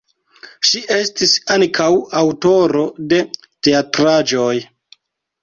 Ŝi estis ankaŭ aŭtoro de teatraĵoj.